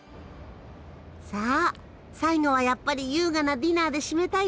さあ最後はやっぱり優雅なディナーで締めたいですよね。